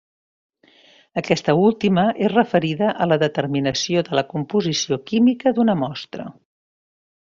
Aquesta última és referida a la determinació de la composició química d’una mostra.